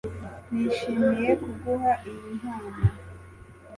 Nishimiye kuguha iyi mpano